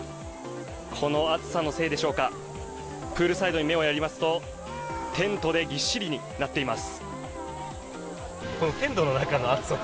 この暑さのせいでしょうか、プールサイドに目をやりますとテントでぎっしりになっています。